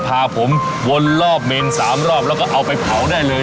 พาผมวนรอบเมน๓รอบแล้วก็เอาไปเผาได้เลย